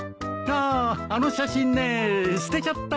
ああの写真ねえ捨てちゃったよ。